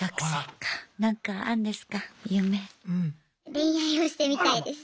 恋愛をしてみたいです。